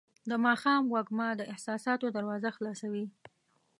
د ماښام وږمه د احساساتو دروازه خلاصوي.